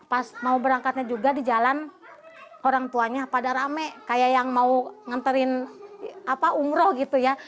pas mau berangkatnya juga di jalan orang tuanya pada rame kayak yang mau nganterin umroh gitu ya